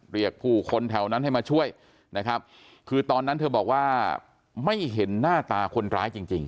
เรียกผู้คนแถวนั้นให้มาช่วยนะครับคือตอนนั้นเธอบอกว่าไม่เห็นหน้าตาคนร้ายจริงจริง